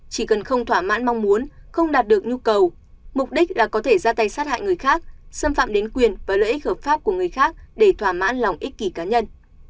chỉ cần không thỏa mãn mong muốn không đạt được nhu cầu mục đích là có thể ra tay sát hại người khác xâm phạm đến quyền và lợi ích hợp pháp của người khác để thỏa mãn lòng ích kỳ cá nhân